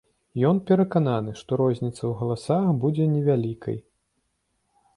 Ён перакананы, што розніца ў галасах будзе невялікай.